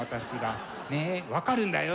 分かるんだよ？